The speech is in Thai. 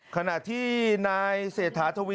คนนั้นก็ได้เสนอชื่อนายกของภาคนั้นแน่นอนค่ะ